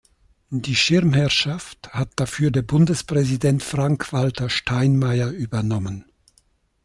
Die Schirmherrschaft hat dafür der Bundespräsident Frank-Walter Steinmeier übernommen.